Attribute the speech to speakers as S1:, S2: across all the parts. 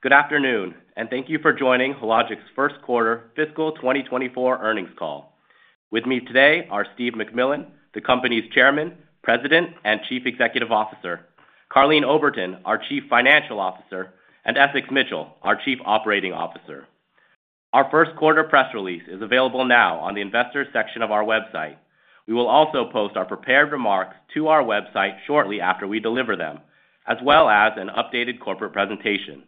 S1: Good afternoon, and thank you for joining Hologic's first quarter fiscal 2024 earnings call. With me today are Steve MacMillan, the company's Chairman, President, and Chief Executive Officer, Karleen Oberton, our Chief Financial Officer, and Essex Mitchell, our Chief Operating Officer. Our first quarter press release is available now on the investors section of our website. We will also post our prepared remarks to our website shortly after we deliver them, as well as an updated corporate presentation.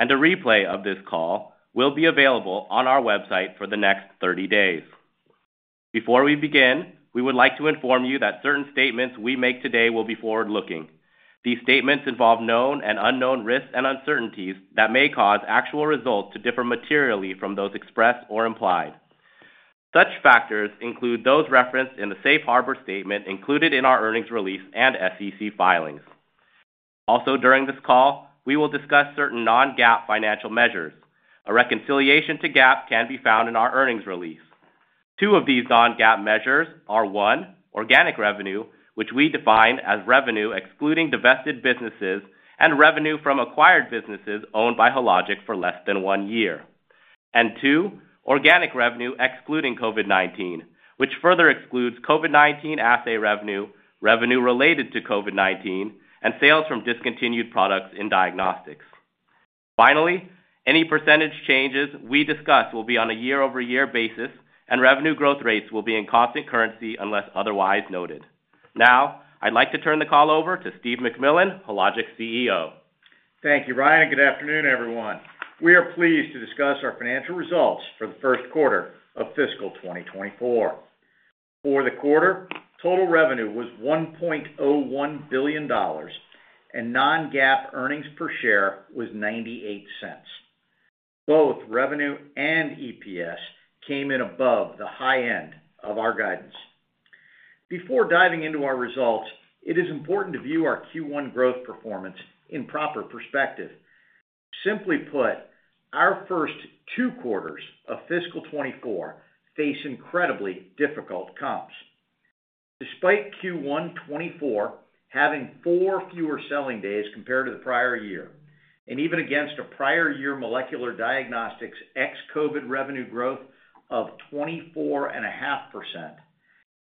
S1: A replay of this call will be available on our website for the next 30 days. Before we begin, we would like to inform you that certain statements we make today will be forward-looking. These statements involve known and unknown risks and uncertainties that may cause actual results to differ materially from those expressed or implied. Such factors include those referenced in the safe harbor statement included in our earnings release and SEC filings. Also, during this call, we will discuss certain non-GAAP financial measures. A reconciliation to GAAP can be found in our earnings release. Two of these non-GAAP measures are, one, organic revenue, which we define as revenue excluding divested businesses and revenue from acquired businesses owned by Hologic for less than one year. And two, organic revenue excluding COVID-19, which further excludes COVID-19 assay revenue, revenue related to COVID-19, and sales from discontinued products in diagnostics. Finally, any percentage changes we discuss will be on a year-over-year basis, and revenue growth rates will be in constant currency unless otherwise noted. Now, I'd like to turn the call over to Steve MacMillan, Hologic's CEO.
S2: Thank you, Ryan. Good afternoon, everyone. We are pleased to discuss our financial results for the first quarter of fiscal 2024. For the quarter, total revenue was $1.01 billion, and non-GAAP earnings per share was $0.98. Both revenue and EPS came in above the high end of our guidance. Before diving into our results, it is important to view our Q1 growth performance in proper perspective. Simply put, our first two quarters of fiscal 2024 face incredibly difficult comps. Despite Q1 2024 having 4 fewer selling days compared to the prior year, and even against a prior-year molecular diagnostics ex-COVID revenue growth of 24.5%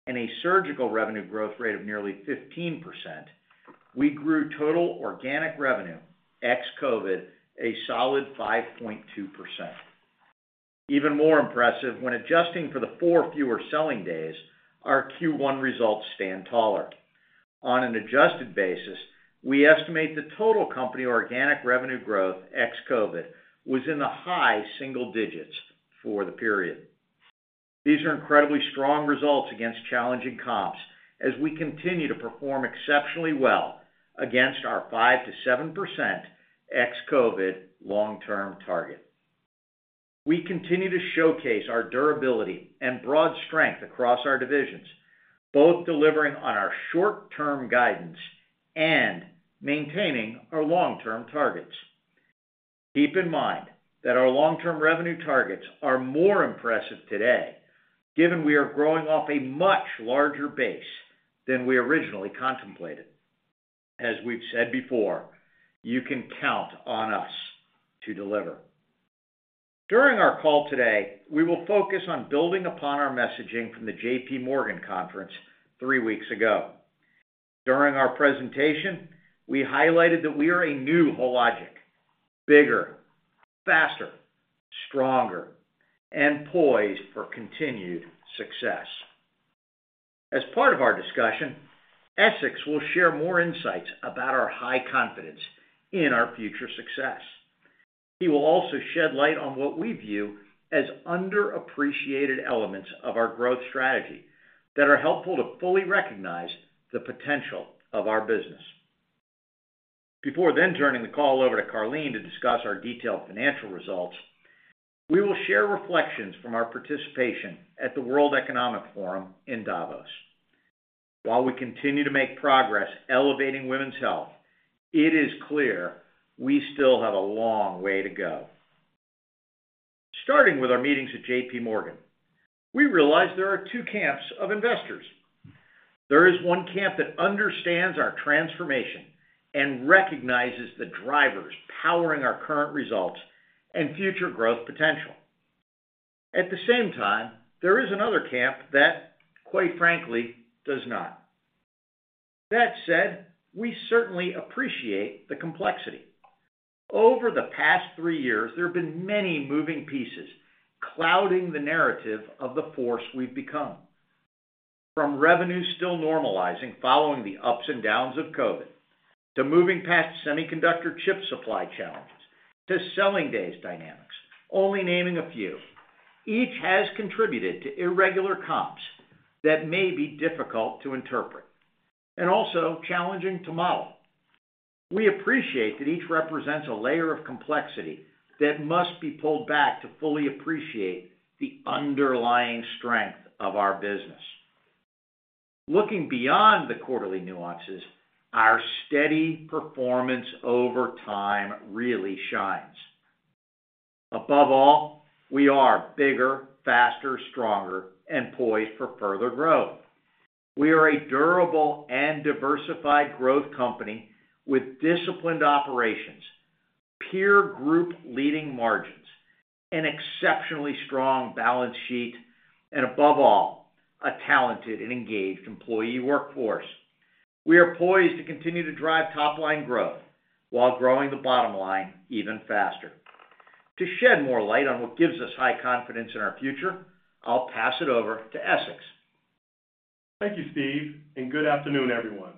S2: and a surgical revenue growth rate of nearly 15%, we grew total organic revenue ex-COVID a solid 5.2%. Even more impressive, when adjusting for the 4 fewer selling days, our Q1 results stand taller. On an adjusted basis, we estimate the total company organic revenue growth ex-COVID was in the high single digits for the period. These are incredibly strong results against challenging comps as we continue to perform exceptionally well against our 5%-7% ex-COVID long-term target. We continue to showcase our durability and broad strength across our divisions, both delivering on our short-term guidance and maintaining our long-term targets. Keep in mind that our long-term revenue targets are more impressive today, given we are growing off a much larger base than we originally contemplated. As we've said before, you can count on us to deliver. During our call today, we will focus on building upon our messaging from the JP Morgan conference 3 weeks ago. During our presentation, we highlighted that we are a new Hologic: bigger, faster, stronger, and poised for continued success. As part of our discussion, Essex will share more insights about our high confidence in our future success. He will also shed light on what we view as underappreciated elements of our growth strategy that are helpful to fully recognize the potential of our business. Before then turning the call over to Karleen to discuss our detailed financial results, we will share reflections from our participation at the World Economic Forum in Davos. While we continue to make progress elevating women's health, it is clear we still have a long way to go. Starting with our meetings at JP Morgan, we realize there are two camps of investors. There is one camp that understands our transformation and recognizes the drivers powering our current results and future growth potential. At the same time, there is another camp that, quite frankly, does not. That said, we certainly appreciate the complexity. Over the past three years, there have been many moving pieces clouding the narrative of the force we've become. From revenue still normalizing following the ups and downs of COVID, to moving past semiconductor chip supply challenges, to selling days dynamics, only naming a few, each has contributed to irregular comps that may be difficult to interpret and also challenging to model. We appreciate that each represents a layer of complexity that must be pulled back to fully appreciate the underlying strength of our business. Looking beyond the quarterly nuances, our steady performance over time really shines. Above all, we are bigger, faster, stronger, and poised for further growth. We are a durable and diversified growth company with disciplined operations, peer group leading margins, an exceptionally strong balance sheet, and above all, a talented and engaged employee workforce. We are poised to continue to drive top line growth while growing the bottom line even faster. To shed more light on what gives us high confidence in our future, I'll pass it over to Essex.
S3: Thank you, Steve, and good afternoon, everyone.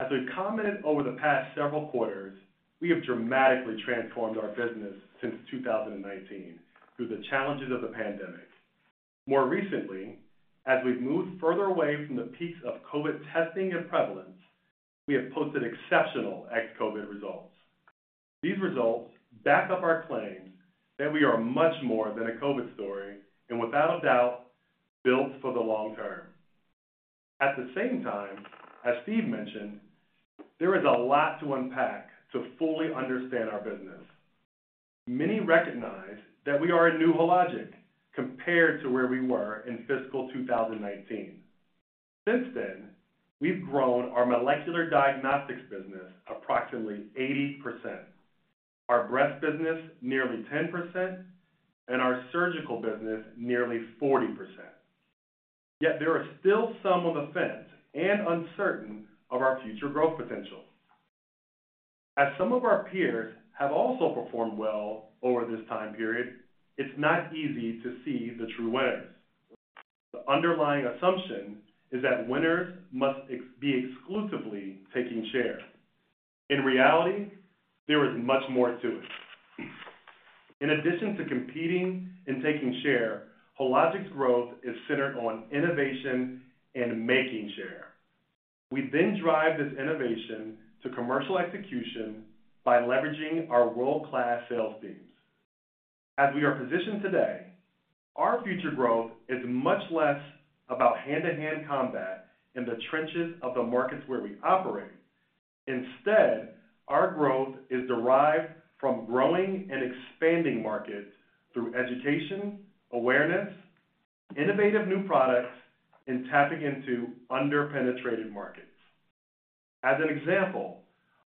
S3: As we've commented over the past several quarters, we have dramatically transformed our business since 2019 through the challenges of the pandemic. More recently, as we've moved further away from the peaks of COVID testing and prevalence, we have posted exceptional ex-COVID results. These results back up our claim that we are much more than a COVID story, and without a doubt, built for the long term. At the same time, as Steve mentioned, there is a lot to unpack to fully understand our business. Many recognize that we are a new Hologic compared to where we were in fiscal 2019. Since then, we've grown our molecular diagnostics business approximately 80%, our breast business nearly 10%, and our surgical business nearly 40%. Yet there are still some on the fence and uncertain of our future growth potential. As some of our peers have also performed well over this time period, it's not easy to see the true winners. The underlying assumption is that winners must be exclusively taking share. In reality, there is much more to it. In addition to competing and taking share, Hologic's growth is centered on innovation and making share. We then drive this innovation to commercial execution by leveraging our world-class sales teams. As we are positioned today, our future growth is much less about hand-to-hand combat in the trenches of the markets where we operate. Instead, our growth is derived from growing and expanding markets through education, awareness, innovative new products, and tapping into under-penetrated markets. As an example,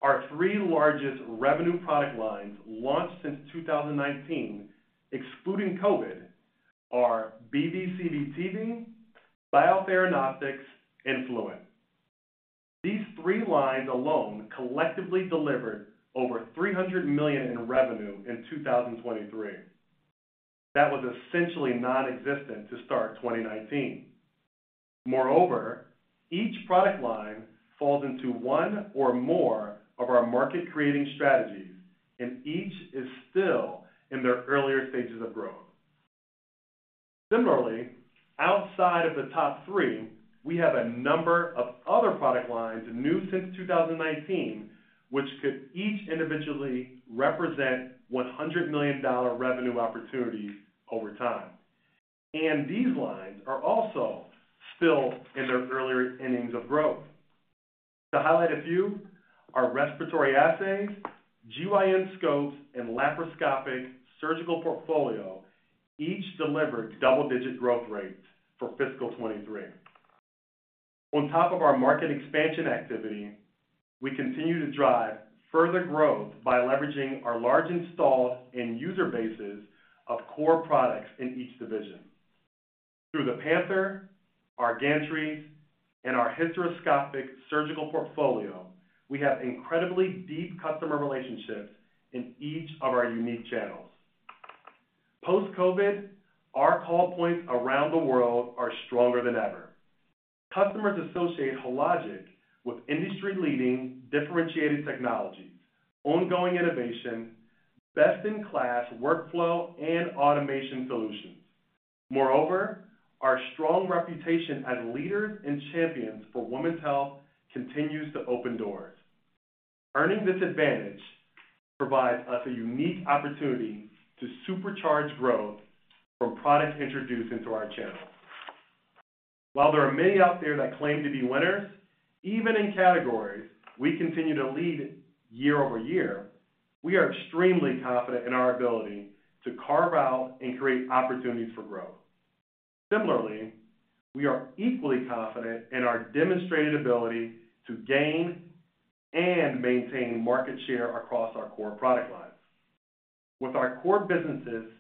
S3: our three largest revenue product lines launched since 2019, excluding COVID, are BV/CV/TV, Biotheranostics, and Fluent. These three lines alone collectively delivered over $300 million in revenue in 2023. That was essentially nonexistent to start 2019. Moreover, each product line falls into one or more of our market-creating strategies, and each is still in their earlier stages of growth. Similarly, outside of the top three, we have a number of other product lines, new since 2019, which could each individually represent $100 million revenue opportunities over time, and these lines are also still in their early innings of growth. To highlight a few, our respiratory assays, GYN scopes, and laparoscopic surgical portfolio each delivered double-digit growth rates for fiscal 2023. On top of our market expansion activity, we continue to drive further growth by leveraging our large installed and user bases of core products in each division. Through the Panther, our gantries, and our hysteroscopic surgical portfolio, we have incredibly deep customer relationships in each of our unique channels. Post-COVID, our call points around the world are stronger than ever. Customers associate Hologic with industry-leading differentiated technologies, ongoing innovation, best-in-class workflow and automation solutions. Moreover, our strong reputation as leaders and champions for women's health continues to open doors. Earning this advantage provides us a unique opportunity to supercharge growth from products introduced into our channels. While there are many out there that claim to be winners, even in categories we continue to lead year over year, we are extremely confident in our ability to carve out and create opportunities for growth. Similarly, we are equally confident in our demonstrated ability to gain and maintain market share across our core product lines. With our core businesses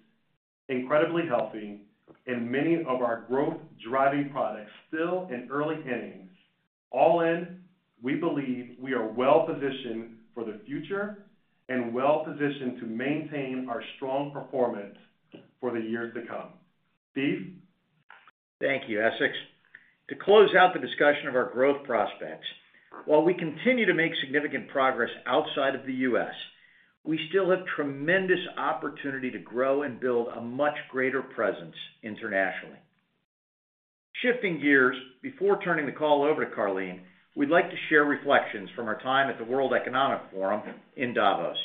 S3: incredibly healthy and many of our growth-driving products still in early innings, all in, we believe we are well positioned for the future and well positioned to maintain our strong performance for the years to come. Steve?
S2: Thank you, Essex. To close out the discussion of our growth prospects, while we continue to make significant progress outside of the U.S., we still have tremendous opportunity to grow and build a much greater presence internationally. Shifting gears, before turning the call over to Karleen, we'd like to share reflections from our time at the World Economic Forum in Davos.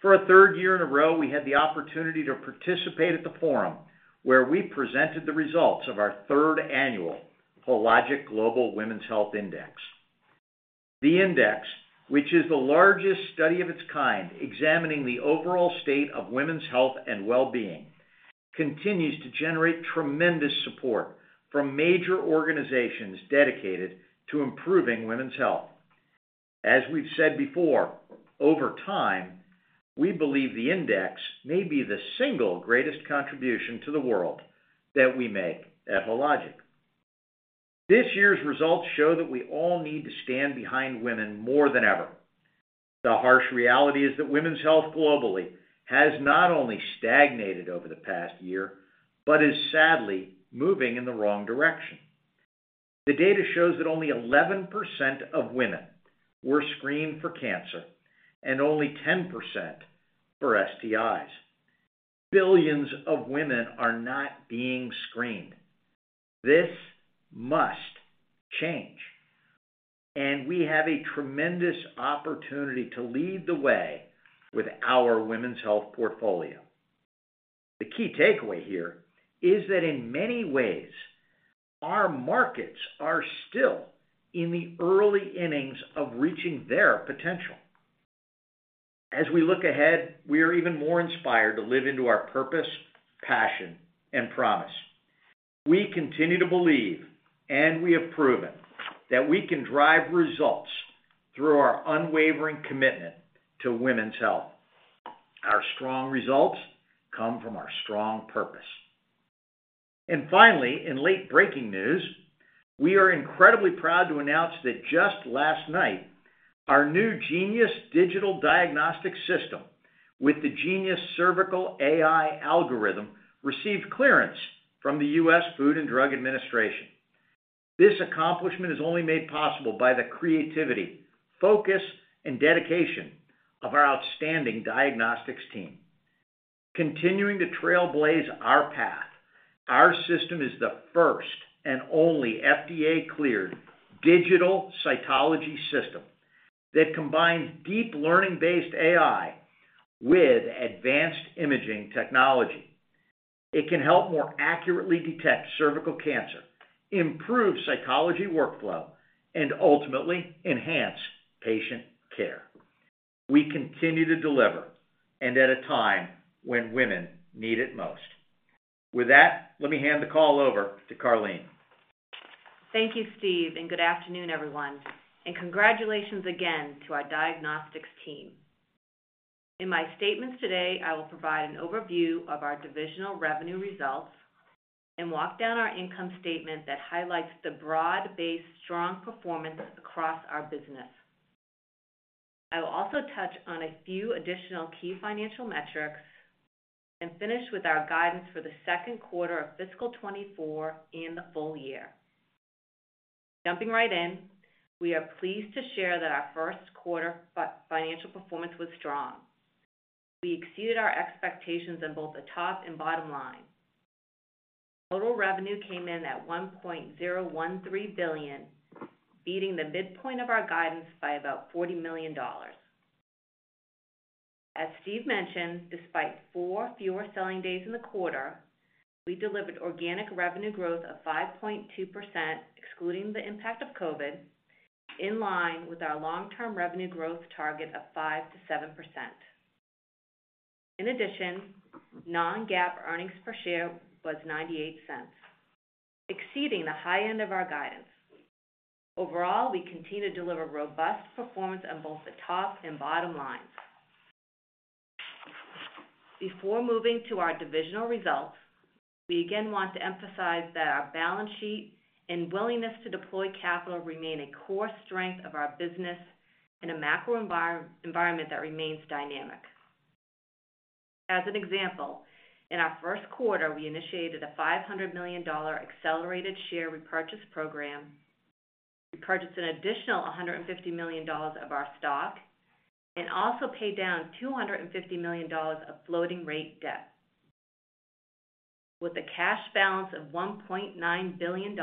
S2: For a third year in a row, we had the opportunity to participate at the forum, where we presented the results of our third annual Hologic Global Women's Health Index. The index, which is the largest study of its kind, examining the overall state of women's health and well-being, continues to generate tremendous support from major organizations dedicated to improving women's health. As we've said before, over time, we believe the index may be the single greatest contribution to the world that we make at Hologic. This year's results show that we all need to stand behind women more than ever. The harsh reality is that women's health globally has not only stagnated over the past year, but is sadly moving in the wrong direction. The data shows that only 11% of women were screened for cancer and only 10% for STIs. Billions of women are not being screened. This must change, and we have a tremendous opportunity to lead the way with our women's health portfolio. The key takeaway here is that in many ways, our markets are still in the early innings of reaching their potential. As we look ahead, we are even more inspired to live into our purpose, passion, and promise. We continue to believe, and we have proven, that we can drive results through our unwavering commitment to women's health. Our strong results come from our strong purpose. Finally, in late-breaking news, we are incredibly proud to announce that just last night, our new Genius Digital Diagnostics System, with the Genius Cervical AI algorithm, received clearance from the U.S. Food and Drug Administration. This accomplishment is only made possible by the creativity, focus, and dedication of our outstanding diagnostics team. Continuing to trailblaze our path, our system is the first and only FDA-cleared digital cytology system that combines deep learning-based AI with advanced imaging technology. It can help more accurately detect cervical cancer, improve cytology workflow, and ultimately enhance patient care. We continue to deliver and at a time when women need it most. With that, let me hand the call over to Karleen.
S4: Thank you, Steve, and good afternoon, everyone. Congratulations again to our diagnostics team. In my statements today, I will provide an overview of our divisional revenue results and walk down our income statement that highlights the broad-based, strong performance across our business. I will also touch on a few additional key financial metrics and finish with our guidance for the second quarter of fiscal 2024 and the full year. Jumping right in, we are pleased to share that our first quarter financial performance was strong. We exceeded our expectations on both the top and bottom line. Total revenue came in at $1.013 billion, beating the midpoint of our guidance by about $40 million. As Steve mentioned, despite 4 fewer selling days in the quarter, we delivered organic revenue growth of 5.2%, excluding the impact of COVID, in line with our long-term revenue growth target of 5%-7%. In addition, non-GAAP earnings per share was $0.98, exceeding the high end of our guidance. Overall, we continue to deliver robust performance on both the top and bottom lines. Before moving to our divisional results, we again want to emphasize that our balance sheet and willingness to deploy capital remain a core strength of our business in a macro environment that remains dynamic. As an example, in our first quarter, we initiated a $500 million accelerated share repurchase program. We purchased an additional $150 million of our stock and also paid down $250 million of floating rate debt. With a cash balance of $1.9 billion,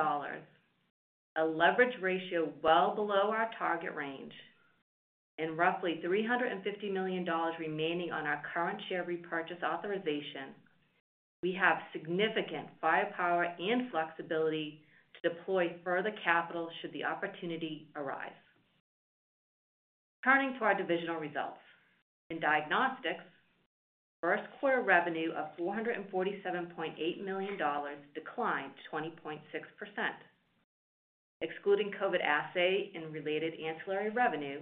S4: a leverage ratio well below our target range, and roughly $350 million remaining on our current share repurchase authorization, we have significant firepower and flexibility to deploy further capital should the opportunity arise. Turning to our divisional results. In diagnostics, first quarter revenue of $447.8 million declined 20.6%. Excluding COVID assay and related ancillary revenue,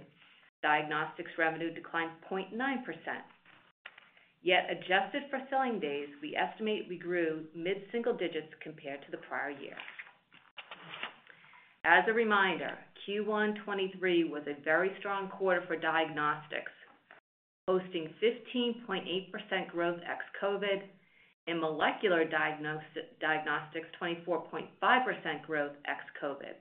S4: diagnostics revenue declined 0.9%. Yet adjusted for selling days, we estimate we grew mid-single digits compared to the prior year. As a reminder, Q1 2023 was a very strong quarter for diagnostics, posting 15.8% growth ex-COVID and molecular diagnostics, 24.5% growth ex-COVID.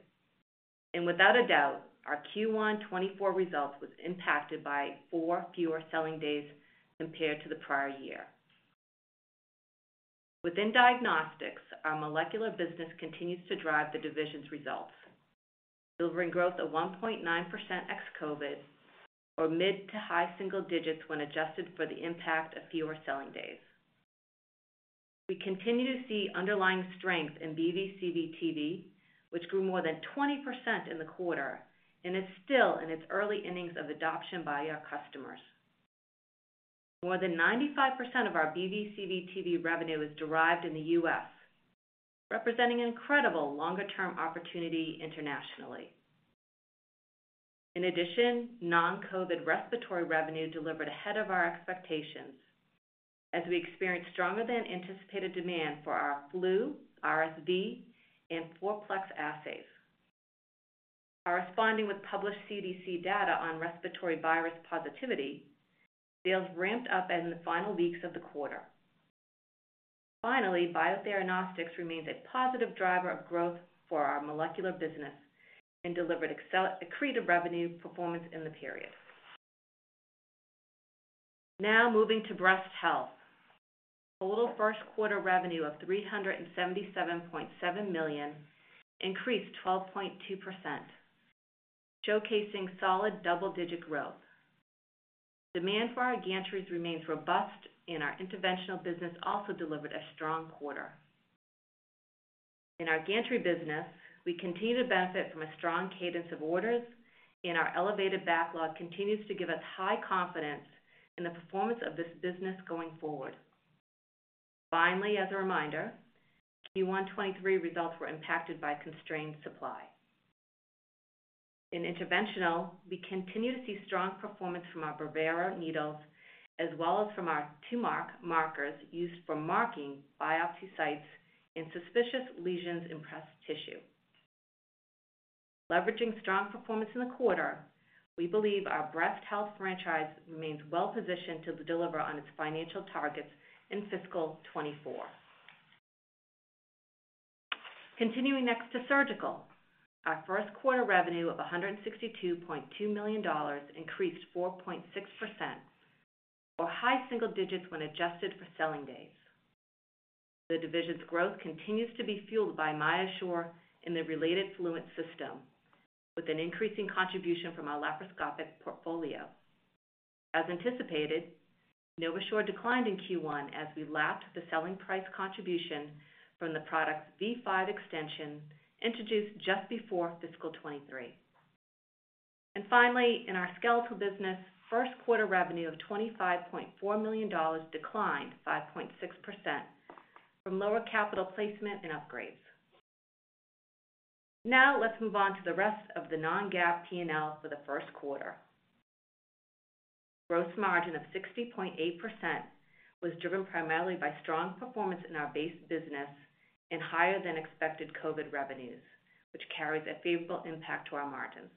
S4: And without a doubt, our Q1 2024 results was impacted by four fewer selling days compared to the prior year. Within diagnostics, our molecular business continues to drive the division's results, delivering growth of 1.9% ex-COVID or mid- to high-single digits when adjusted for the impact of fewer selling days. We continue to see underlying strength in BV/CV/TV, which grew more than 20% in the quarter and is still in its early innings of adoption by our customers. More than 95% of our BV/CV/TV revenue is derived in the U.S., representing incredible longer-term opportunity internationally. In addition, non-COVID respiratory revenue delivered ahead of our expectations, as we experienced stronger than anticipated demand for our flu, RSV, and fourplex assays. Corresponding with published CDC data on respiratory virus positivity, sales ramped up in the final weeks of the quarter. Finally, Biotheranostics remains a positive driver of growth for our molecular business and delivered excellent accretive revenue performance in the period. Now moving to breast health. Total first quarter revenue of $377.7 million increased 12.2%, showcasing solid double-digit growth. Demand for our gantry remains robust, and our interventional business also delivered a strong quarter. In our gantry business, we continue to benefit from a strong cadence of orders, and our elevated backlog continues to give us high confidence in the performance of this business going forward. Finally, as a reminder, Q1 2023 results were impacted by constrained supply. In interventional, we continue to see strong performance from our Brevera needles, as well as from our Tumark markers used for marking biopsy sites in suspicious lesions in breast tissue. Leveraging strong performance in the quarter, we believe our breast health franchise remains well positioned to deliver on its financial targets in fiscal 2024. Continuing next to surgical. Our first quarter revenue of $162.2 million increased 4.6%, or high single digits when adjusted for selling days. The division's growth continues to be fueled by MyoSure and the related Fluent system, with an increasing contribution from our laparoscopic portfolio. As anticipated, NovaSure declined in Q1 as we lapped the selling price contribution from the product's V5 extension, introduced just before fiscal 2023. And finally, in our skeletal business, first quarter revenue of $25.4 million declined 5.6% from lower capital placement and upgrades. Now, let's move on to the rest of the non-GAAP P&L for the first quarter. Gross margin of 60.8% was driven primarily by strong performance in our base business and higher than expected COVID revenues, which carries a favorable impact to our margins.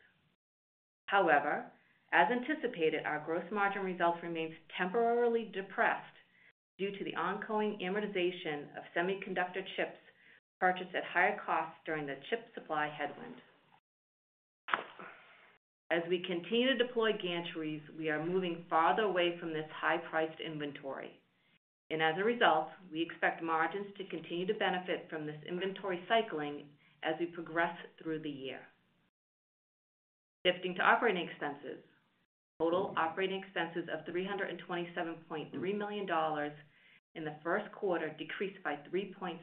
S4: However, as anticipated, our gross margin results remains temporarily depressed due to the ongoing amortization of semiconductor chips purchased at higher costs during the chip supply headwind. As we continue to deploy gantry, we are moving farther away from this high-priced inventory, and as a result, we expect margins to continue to benefit from this inventory cycling as we progress through the year. Shifting to operating expenses. Total operating expenses of $327.3 million in the first quarter decreased by 3.6%.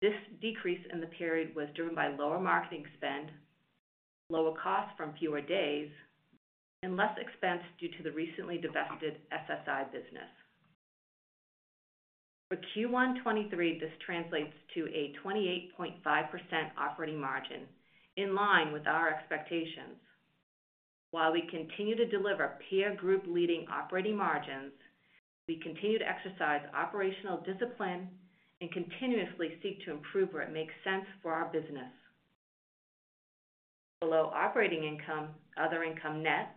S4: This decrease in the period was driven by lower marketing spend, lower costs from fewer days, and less expense due to the recently divested SSI business. For Q1 2023, this translates to a 28.5 operating margin, in line with our expectations. While we continue to deliver peer group leading operating margins, we continue to exercise operational discipline and continuously seek to improve where it makes sense for our business. Below operating income, other income, net,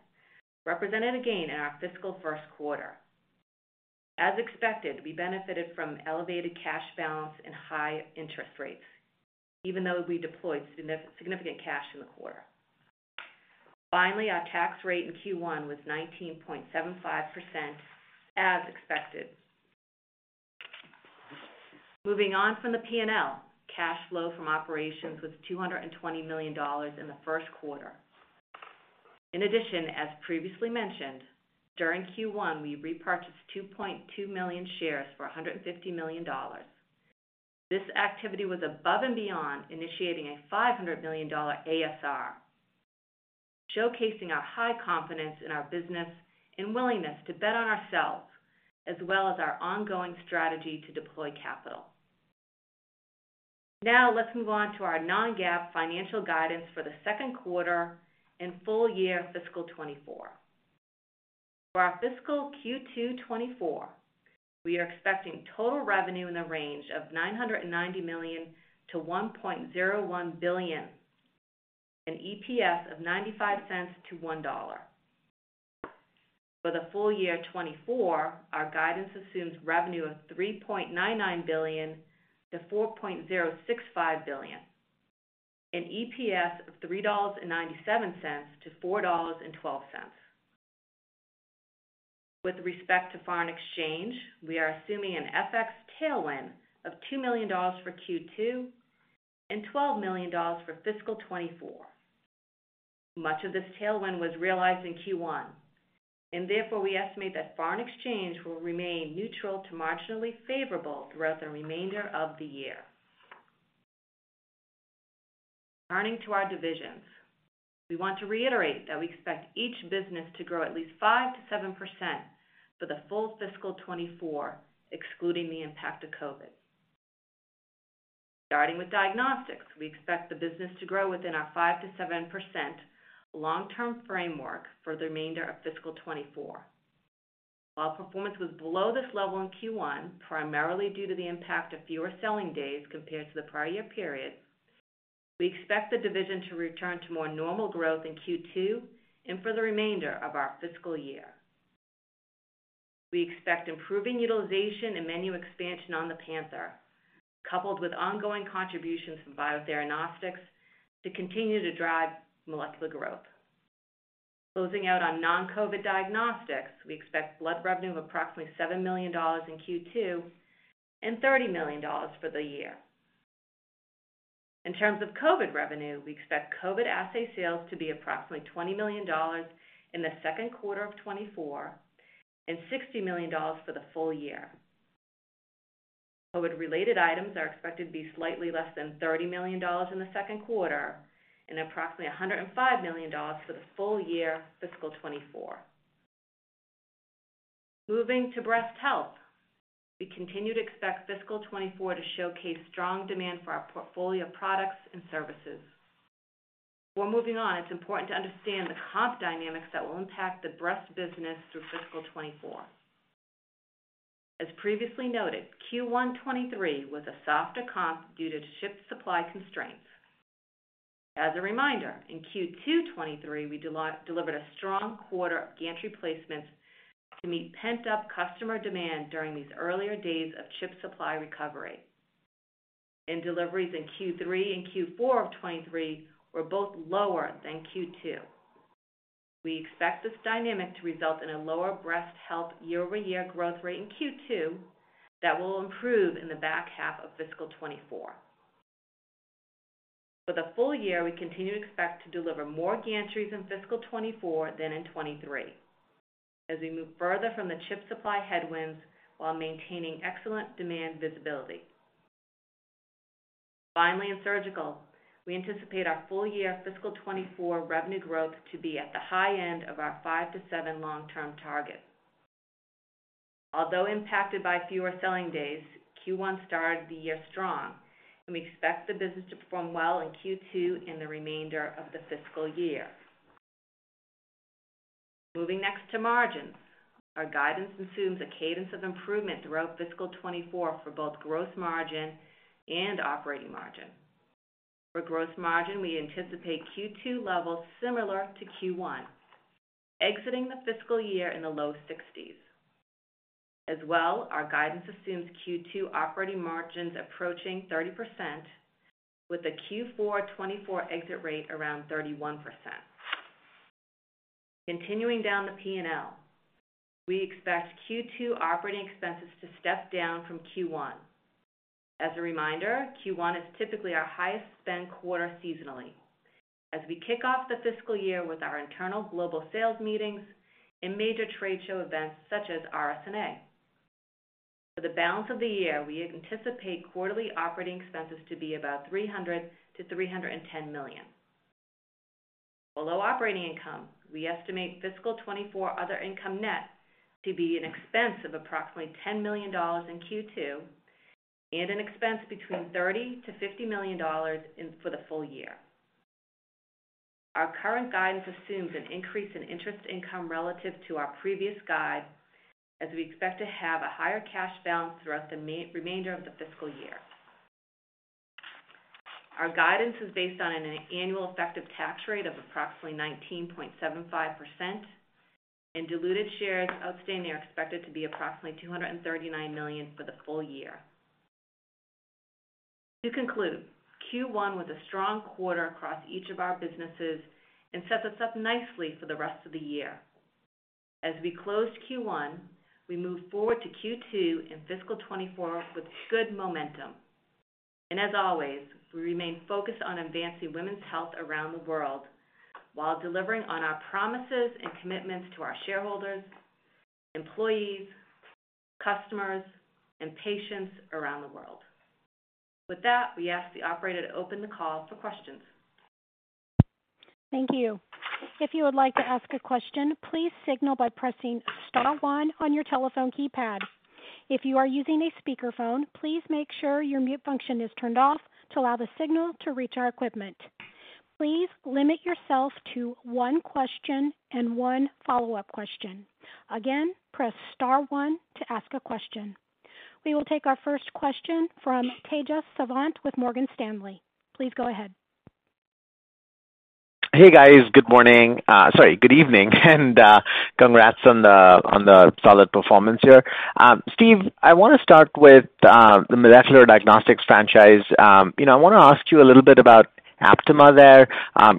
S4: represented a gain in our fiscal first quarter. As expected, we benefited from elevated cash balance and high interest rates, even though we deployed significant cash in the quarter. Finally, our tax rate in Q1 was 19.75%, as expected. Moving on from the P&L. Cash flow from operations was $220 million in the first quarter. In addition, as previously mentioned, during Q1, we repurchased 2.2 million shares for $150 million. This activity was above and beyond initiating a $500 million ASR, showcasing our high confidence in our business and willingness to bet on ourselves, as well as our ongoing strategy to deploy capital. Now, let's move on to our non-GAAP financial guidance for the second quarter and full year fiscal 2024. For our fiscal Q2 2024, we are expecting total revenue in the range of $990 million to $1.01 billion, an EPS of $0.95-$1.00. For the full year 2024, our guidance assumes revenue of $3.99 billion-$4.065 billion, an EPS of $3.97-$4.12. With respect to foreign exchange, we are assuming an FX tailwind of $2 million for Q2 and $12 million for fiscal 2024. Much of this tailwind was realized in Q1, and therefore, we estimate that foreign exchange will remain neutral to marginally favorable throughout the remainder of the year. Turning to our divisions, we want to reiterate that we expect each business to grow at least 5%-7% for the full fiscal 2024, excluding the impact of COVID. Starting with diagnostics, we expect the business to grow within our 5%-7% long-term framework for the remainder of fiscal 2024. While performance was below this level in Q1, primarily due to the impact of fewer selling days compared to the prior year period, we expect the division to return to more normal growth in Q2 and for the remainder of our fiscal year. We expect improving utilization and menu expansion on the Panther, coupled with ongoing contributions from Biotheranostics, to continue to drive molecular growth. Closing out on non-COVID diagnostics, we expect blood revenue of approximately $7 million in Q2 and $30 million for the year. In terms of COVID revenue, we expect COVID assay sales to be approximately $20 million in the second quarter of 2024 and $60 million for the full year. COVID-related items are expected to be slightly less than $30 million in the second quarter and approximately $105 million for the full year, fiscal 2024. Moving to breast health, we continue to expect fiscal 2024 to showcase strong demand for our portfolio of products and services. Before moving on, it's important to understand the comp dynamics that will impact the breast business through fiscal 2024. As previously noted, Q1 2023 was a softer comp due to chip supply constraints. As a reminder, in Q2 2023, we delivered a strong quarter of gantry placements to meet pent-up customer demand during these earlier days of chip supply recovery. Deliveries in Q3 and Q4 of 2023 were both lower than Q2. We expect this dynamic to result in a lower breast health year-over-year growth rate in Q2, that will improve in the back half of fiscal 2024. For the full year, we continue to expect to deliver more gantries in fiscal 2024 than in 2023, as we move further from the chip supply headwinds while maintaining excellent demand visibility. Finally, in surgical, we anticipate our full-year fiscal 2024 revenue growth to be at the high end of our 5-7 long-term target. Although impacted by fewer selling days, Q1 started the year strong, and we expect the business to perform well in Q2 and the remainder of the fiscal year. Moving next to margins. Our guidance assumes a cadence of improvement throughout fiscal 2024 for both gross margin and operating margin. For gross margin, we anticipate Q2 levels similar to Q1, exiting the fiscal year in the low 60s. As well, our guidance assumes Q2 operating margins approaching 30%, with a Q4 2024 exit rate around 31%. Continuing down the P&L, we expect Q2 operating expenses to step down from Q1. As a reminder, Q1 is typically our highest spend quarter seasonally, as we kick off the fiscal year with our internal global sales meetings and major trade show events such as RSNA. For the balance of the year, we anticipate quarterly operating expenses to be about $300 million-$310 million. Below operating income, we estimate fiscal 2024 other income net to be an expense of approximately $10 million in Q2 and an expense between $30 million-$50 million for the full year. Our current guidance assumes an increase in interest income relative to our previous guide, as we expect to have a higher cash balance throughout the remainder of the fiscal year. Our guidance is based on an annual effective tax rate of approximately 19.75%, and diluted shares outstanding are expected to be approximately 239 million for the full year. To conclude, Q1 was a strong quarter across each of our businesses and sets us up nicely for the rest of the year. As we close Q1, we move forward to Q2 and fiscal 2024 with good momentum. As always, we remain focused on advancing women's health around the world, while delivering on our promises and commitments to our shareholders, employees, customers, and patients around the world. With that, we ask the operator to open the call for questions.
S1: Thank you. If you would like to ask a question, please signal by pressing star one on your telephone keypad. If you are using a speakerphone, please make sure your mute function is turned off to allow the signal to reach our equipment. Please limit yourself to one question and one follow-up question. Again, press star one to ask a question. We will take our first question from Tejas Savant with Morgan Stanley. Please go ahead.
S5: Hey, guys. Good morning, sorry, good evening, and, congrats on the, on the solid performance here. Steve, I want to start with, the molecular diagnostics franchise. You know, I want to ask you a little bit about, Aptima there.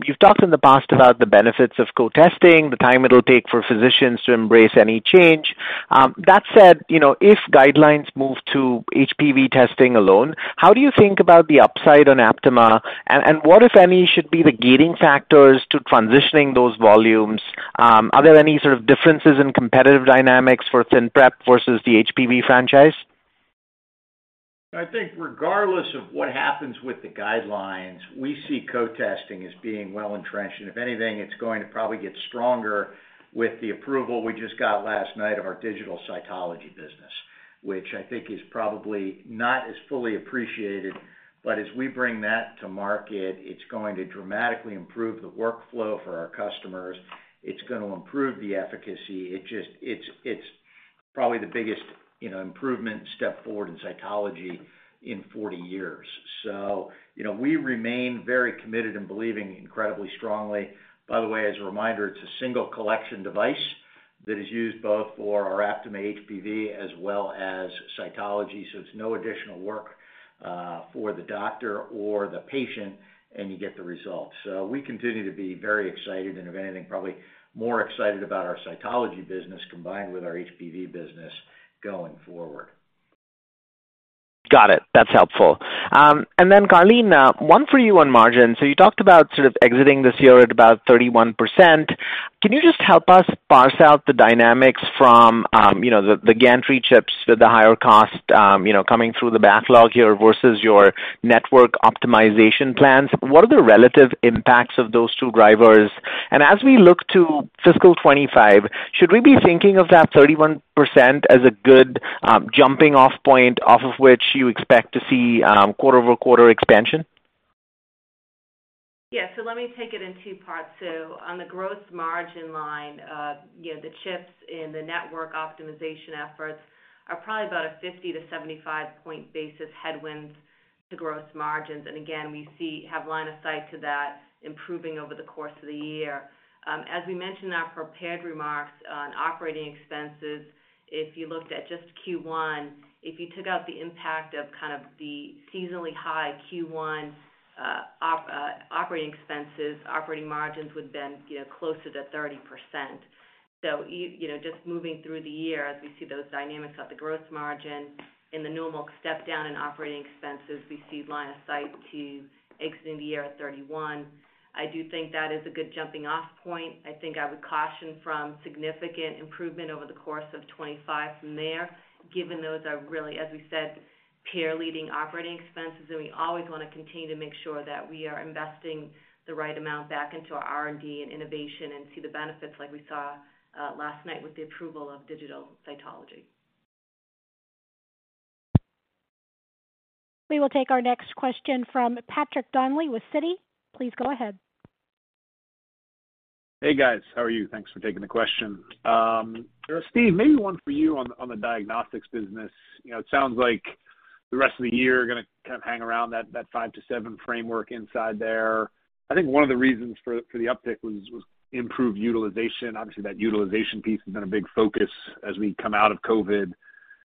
S5: You've talked in the past about the benefits of co-testing, the time it'll take for physicians to embrace any change. That said, you know, if guidelines move to HPV testing alone, how do you think about the upside on Aptima? And what, if any, should be the gating factors to transitioning those volumes? Are there any sort of differences in competitive dynamics for ThinPrep versus the HPV franchise?
S2: I think regardless of what happens with the guidelines, we see co-testing as being well entrenched, and if anything, it's going to probably get stronger with the approval we just got last night of our digital cytology business, which I think is probably not as fully appreciated. But as we bring that to market, it's going to dramatically improve the workflow for our customers. It's gonna improve the efficacy. It just, it's probably the biggest, you know, improvement step forward in cytology in 40 years. So, you know, we remain very committed and believing incredibly strongly. By the way, as a reminder, it's a single collection device that is used both for our Aptima HPV as well as cytology, so it's no additional work for the doctor or the patient, and you get the results. So we continue to be very excited and, if anything, probably more excited about our cytology business combined with our HPV business going forward.
S5: Got it. That's helpful. And then, Karleen, one for you on margins. So you talked about sort of exiting this year at about 31%. Can you just help us parse out the dynamics from, you know, the, the gantry chips with the higher cost, you know, coming through the backlog here versus your network optimization plans? What are the relative impacts of those two drivers? And as we look to fiscal 2025, should we be thinking of that 31% as a good, jumping off point off of which you expect to see, quarter-over-quarter expansion?
S4: Yeah, so let me take it in two parts. So on the gross margin line, you know, the chips and the network optimization efforts are probably about a 50-75 basis point headwind to gross margins. And again, we have line of sight to that improving over the course of the year. As we mentioned in our prepared remarks on operating expenses, if you looked at just Q1, if you took out the impact of kind of the seasonally high Q1 operating expenses, operating margins would have been, you know, closer to 30%. So, you know, just moving through the year, as we see those dynamics at the gross margin and the normal step down in operating expenses, we see line of sight to exiting the year at 31%. I do think that is a good jumping off point. I think I would caution from significant improvement over the course of 25 from there, given those are really, as we said, peer-leading operating expenses, and we always want to continue to make sure that we are investing the right amount back into our R&D and innovation and see the benefits like we saw last night with the approval of digital cytology.
S1: We will take our next question from Patrick Donnelly with Citi. Please go ahead.
S6: Hey, guys. How are you? Thanks for taking the question. Steve, maybe one for you on the diagnostics business. You know, it sounds like the rest of the year gonna kind of hang around that 5-7 framework inside there. I think one of the reasons for the uptick was improved utilization. Obviously, that utilization piece has been a big focus as we come out of COVID.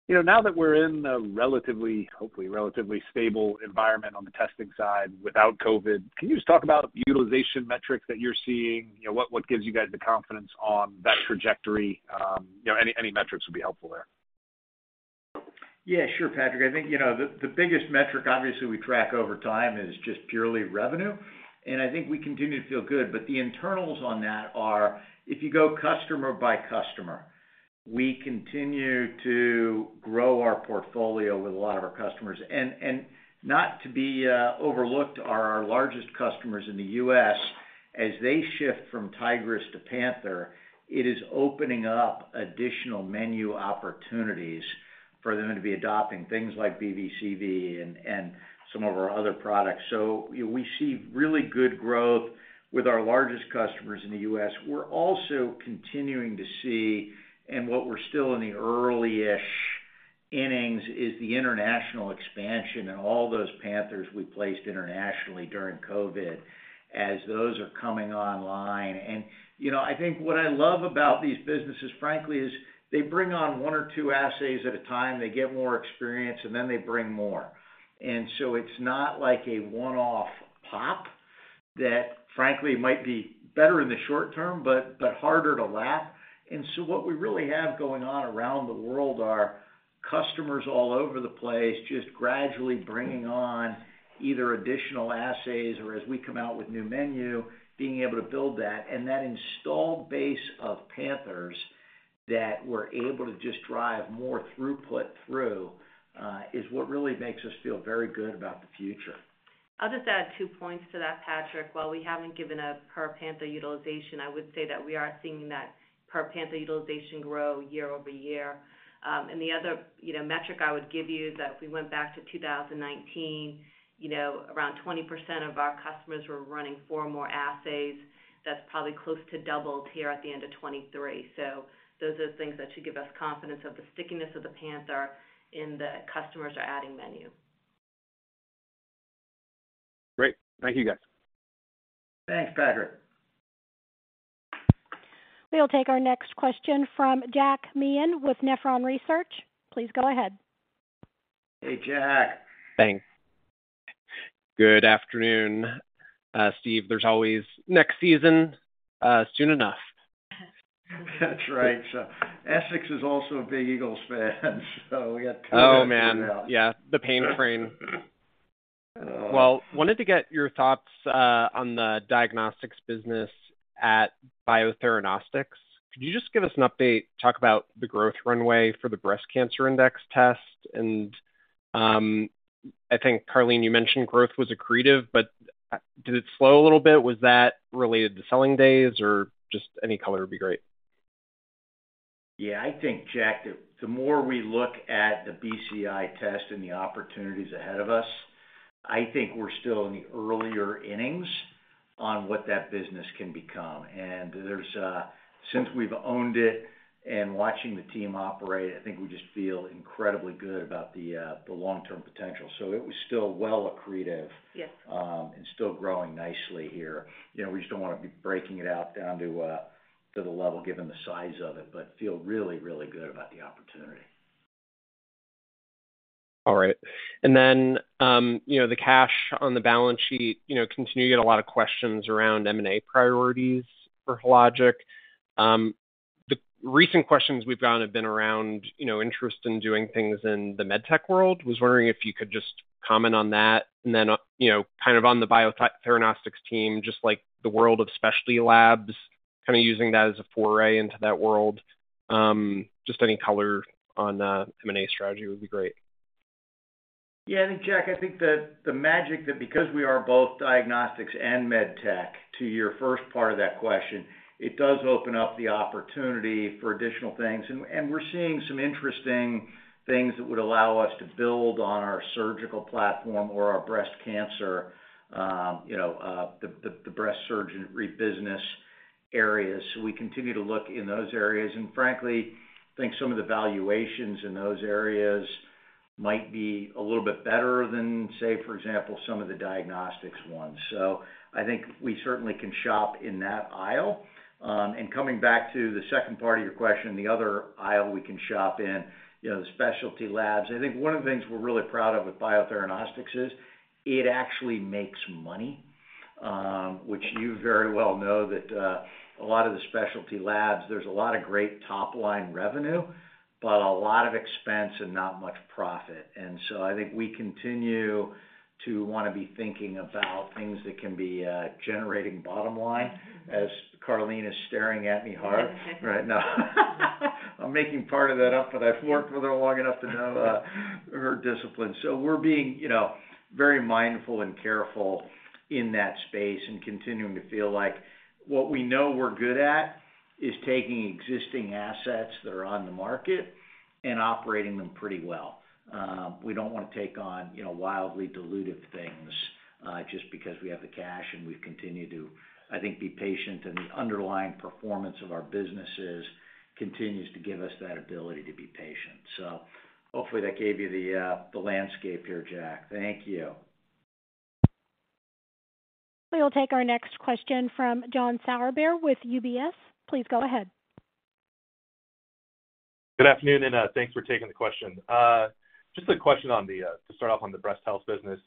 S6: You know, now that we're in a relatively, hopefully, relatively stable environment on the testing side without COVID, can you just talk about the utilization metrics that you're seeing? You know, what gives you guys the confidence on that trajectory? You know, any metrics would be helpful there.
S2: Yeah, sure, Patrick. I think, you know, the biggest metric, obviously, we track over time is just purely revenue, and I think we continue to feel good. But the internals on that are if you go customer by customer, we continue to grow our portfolio with a lot of our customers. And not to be overlooked, are our largest customers in the U.S., as they shift from Tigris to Panther, it is opening up additional menu opportunities for them to be adopting things like BV/CV and some of our other products. So we see really good growth with our largest customers in the U.S. We're also continuing to see, and what we're still in the early-ish innings, is the international expansion and all those Panthers we placed internationally during COVID, as those are coming online. You know, I think what I love about these businesses, frankly, is they bring on one or two assays at a time, they get more experience, and then they bring more. So it's not like a one-off pop that, frankly, might be better in the short term, but harder to lap. So what we really have going on around the world are customers all over the place just gradually bringing on either additional assays or as we come out with new menu, being able to build that. And that installed base of Panthers that we're able to just drive more throughput through is what really makes us feel very good about the future.
S4: I'll just add two points to that, Patrick. While we haven't given a per Panther utilization, I would say that we are seeing that per Panther utilization grow year-over-year. And the other, you know, metric I would give you is that if we went back to 2019, you know, around 20% of our customers were running 4 or more assays. That's probably close to doubled here at the end of 2023. So those are things that should give us confidence of the stickiness of the Panther and the customers are adding menu.
S6: Great. Thank you, guys.
S2: Thanks, Patrick.
S1: We'll take our next question from Jack Meehan with Nephron Research. Please go ahead.
S2: Hey, Jack.
S7: Thanks. Good afternoon, Steve. There's always next season, soon enough.
S2: That's right. So Essex is also a big Eagles fan, so we got-
S7: Oh, man. Yeah, the pain frame. Well, wanted to get your thoughts on the diagnostics business at Biotheranostics. Could you just give us an update, talk about the growth runway for the Breast Cancer Index test? And, I think, Karleen, you mentioned growth was accretive, but, did it slow a little bit? Was that related to selling days or just any color would be great.
S2: Yeah, I think, Jack, the more we look at the BCI test and the opportunities ahead of us, I think we're still in the earlier innings on what that business can become. And there's, since we've owned it and watching the team operate, I think we just feel incredibly good about the long-term potential. So it was still well accretive-
S4: Yes.
S2: and still growing nicely here. You know, we just don't want to be breaking it out down to, to the level, given the size of it, but feel really, really good about the opportunity.
S7: All right. And then, you know, the cash on the balance sheet, you know, continue to get a lot of questions around M&A priorities for Hologic. The recent questions we've gotten have been around, you know, interest in doing things in the med tech world. Was wondering if you could just comment on that. And then, you know, kind of on the Biotheranostics team, just like the world of specialty labs, kind of using that as a foray into that world. Just any color on the M&A strategy would be great.
S2: Yeah, I think, Jack, I think that the magic that because we are both diagnostics and med tech, to your first part of that question, it does open up the opportunity for additional things. And we're seeing some interesting things that would allow us to build on our surgical platform or our breast cancer, you know, breast surgery business areas. So we continue to look in those areas, and frankly, I think some of the valuations in those areas might be a little bit better than, say, for example, some of the diagnostics ones. So I think we certainly can shop in that aisle. And coming back to the second part of your question, the other aisle we can shop in, you know, the specialty labs. I think one of the things we're really proud of with Biotheranostics is, it actually makes money, which you very well know that, a lot of the specialty labs, there's a lot of great top-line revenue, but a lot of expense and not much profit. And so I think we continue to want to be thinking about things that can be, generating bottom line, as Karleen is staring at me hard right now. I'm making part of that up, but I've worked with her long enough to know, her discipline. So we're being, you know, very mindful and careful in that space and continuing to feel like what we know we're good at is taking existing assets that are on the market and operating them pretty well. We don't want to take on, you know, wildly dilutive things, just because we have the cash and we've continued to, I think, be patient and the underlying performance of our businesses continues to give us that ability to be patient. So hopefully, that gave you the, the landscape here, Jack. Thank you.
S1: We will take our next question from John Sourbeer with UBS. Please go ahead.
S8: Good afternoon, and thanks for taking the question. Just a question on the, to start off on the breast health business.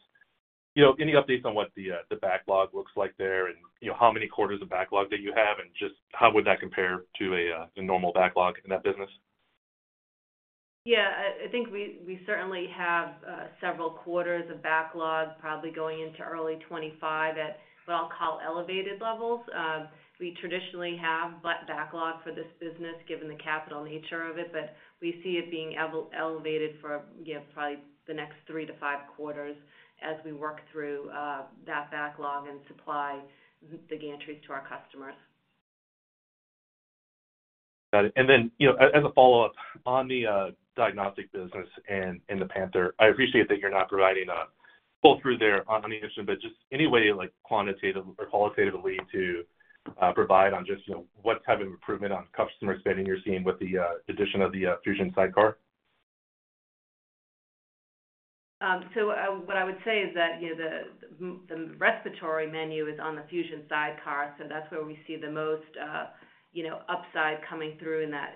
S8: You know, any updates on what the, the backlog looks like there? And, you know, how many quarters of backlog that you have, and just how would that compare to a, a normal backlog in that business?
S4: Yeah, I think we certainly have several quarters of backlog, probably going into early 2025 at what I'll call elevated levels. We traditionally have backlog for this business, given the capital nature of it, but we see it being elevated for, you know, probably the next 3-5 quarters as we work through that backlog and supply the gantries to our customers.
S8: Got it. And then, you know, as a follow-up, on the diagnostic business and the Panther, I appreciate that you're not providing a pull-through there on the issue, but just any way, like quantitatively or qualitatively to provide on just, you know, what type of improvement on customer spending you're seeing with the addition of the Fusion Sidecar?
S4: So, what I would say is that, you know, the respiratory menu is on the Fusion Sidecar, so that's where we see the most, you know, upside coming through in that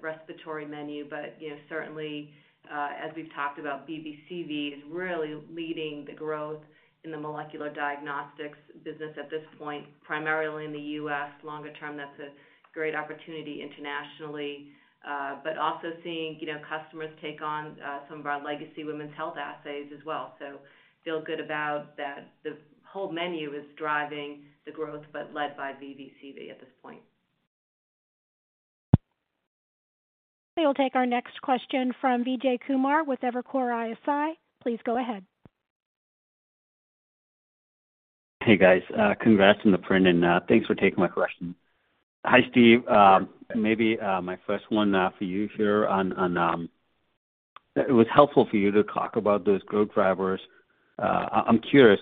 S4: respiratory menu. But, you know, certainly, as we've talked about, BV/CV/TV is really leading the growth in the molecular diagnostics business at this point, primarily in the U.S. Longer term, that's a great opportunity internationally, but also seeing, you know, customers take on some of our legacy women's health assays as well. So feel good about that. The whole menu is driving the growth, but led by BV/CV/TV at this point.
S1: We will take our next question from Vijay Kumar with Evercore ISI. Please go ahead.
S9: Hey, guys. Congrats on the print, and thanks for taking my question. Hi, Steve. Maybe my first one for you here on it was helpful for you to talk about those growth drivers. I'm curious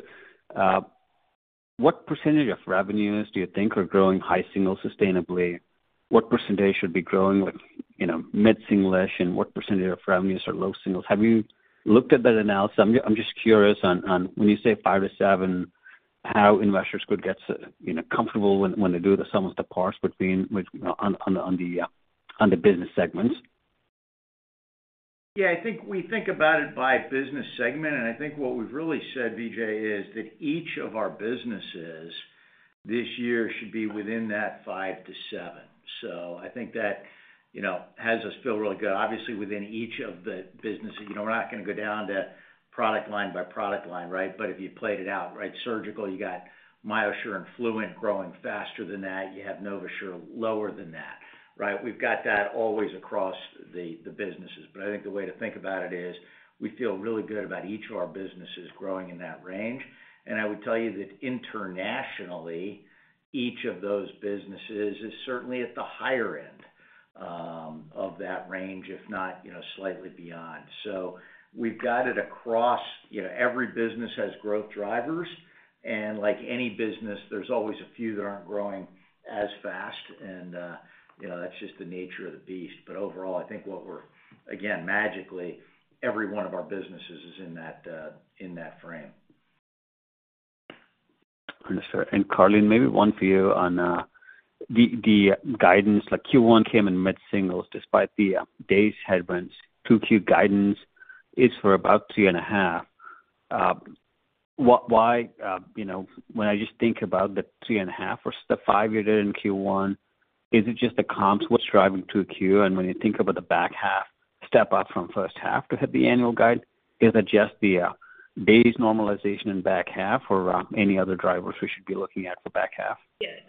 S9: what percentage of revenues do you think are growing high single sustainably? What percentage should be growing, like you know, mid-single-ish, and what percentage are from these are low singles? Have you looked at that analysis? I'm just curious on when you say 5-7, how investors could get you know, comfortable when they do the sums to parse between, which you know, on the business segments.
S2: Yeah, I think we think about it by business segment, and I think what we've really said, Vijay, is that each of our businesses this year should be within that 5-7. So I think that, you know, has us feel really good. Obviously, within each of the businesses, you know, we're not gonna go down to product line by product line, right? But if you played it out, right, surgical, you got MyoSure and Fluent growing faster than that. You have NovaSure lower than that, right? We've got that always across the businesses. But I think the way to think about it is, we feel really good about each of our businesses growing in that range. And I would tell you that internationally, each of those businesses is certainly at the higher end of that range, if not, you know, slightly beyond. So we've got it across. You know, every business has growth drivers, and like any business, there's always a few that aren't growing as fast, and, you know, that's just the nature of the beast. But overall, I think what we're, again, magically, every one of our businesses is in that, in that frame.
S10: Understood. And Karleen, maybe one for you on the guidance, like Q1 came in mid-singles despite the days headwinds. 2Q guidance is for about 3.5. Why, you know, when I just think about the 3.5 or the five you did in Q1, is it just the comps? What's driving 2Q? And when you think about the back half step up from first half to hit the annual guide, is it just the days normalization in back half or any other drivers we should be looking at for back half?
S4: Yes.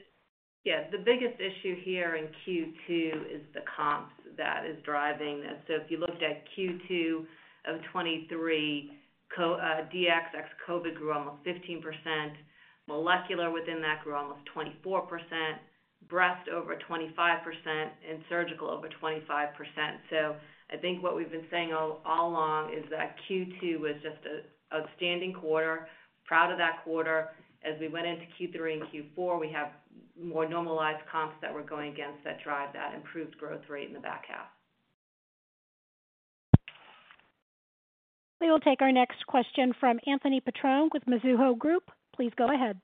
S4: Yes, the biggest issue here in Q2 is the comps that is driving this. So if you looked at Q2 of 2023, core DX ex-COVID grew almost 15%, molecular within that grew almost 24%, breast over 25%, and surgical over 25%. So I think what we've been saying all along is that Q2 was just an outstanding quarter, proud of that quarter. As we went into Q3 and Q4, we have more normalized comps that were going against that drive, that improved growth rate in the back half.
S1: We will take our next question from Anthony Petrone with Mizuho Group. Please go ahead.